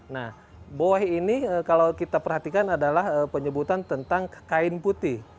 nah boeh ini kalau kita perhatikan adalah penyebutan tentang kain putih